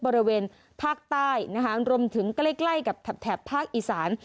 รวมถึงใกล้กับถับภาคอีสาน